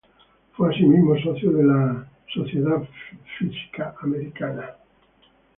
Fue asimismo socio de la American Physical Society.